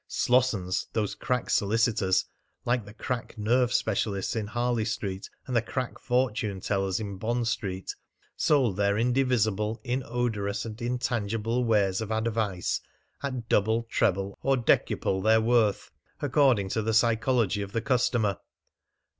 Slossons, those crack solicitors, like the crack nerve specialists in Harley Street and the crack fortune tellers in Bond Street, sold their invisible, inodorous, and intangible wares of advice at double, treble, or decuple their worth, according to the psychology of the customer.